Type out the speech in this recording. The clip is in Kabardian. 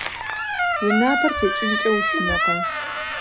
Уи напэр текӀынкӀэ ушынэркъэ?